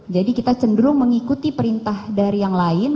jadi kita cenderung mengikuti perintah dari yang lain